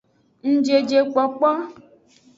Ngjejekpokpo.